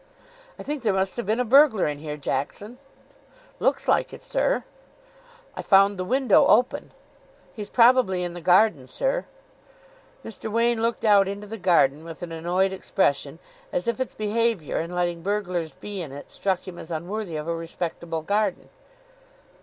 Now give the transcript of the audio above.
"I think there must have been a burglar in here, Jackson." "Looks like it, sir." "I found the window open." "He's probably in the garden, sir." Mr. Wain looked out into the garden with an annoyed expression, as if its behaviour in letting burglars be in it struck him as unworthy of a respectable garden.